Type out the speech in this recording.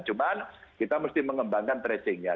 cuma kita mesti mengembangkan tracing ya